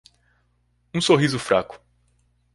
um sorriso fraco